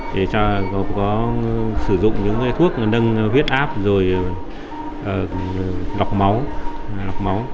thế cho có sử dụng những thuốc nâng huyết áp rồi lọc máu